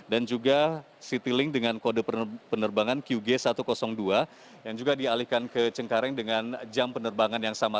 dan juga citylink dengan kode penerbangan qg satu ratus dua yang juga dialihkan ke cengkareng dengan jam penerbangan yang sama